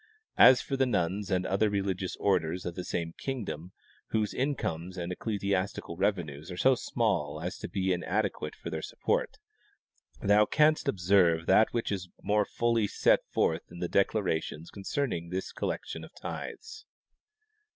As for the nuns and other religious orders of the same kingdom whose incomes and ecclesiastical revenues are so small as to be inadequate for their support, thou canst observe that which is more fully set forth in the declarations concerning this collection of tithes.